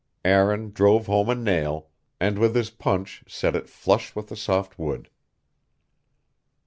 Aaron drove home a nail, and with his punch set it flush with the soft wood.